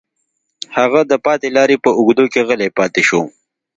هغه د پاتې لارې په اوږدو کې غلی پاتې شو